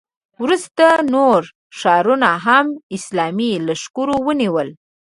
وروسته نور ښارونه هم اسلامي لښکرو ونیول.